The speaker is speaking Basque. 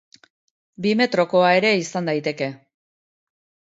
Bi metrokoa ere izan daiteke.